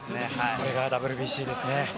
これがＷＢＣですね。